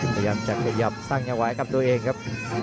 พยายามจะขยับสร้างยาวายกับตัวเองครับ